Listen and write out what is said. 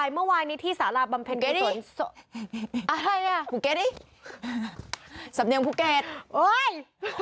เมื่อวายนี้ที่สาราบำเพ็ญกุศลศพอะไรอ่ะสำเนียมคุกแกดโอ้ย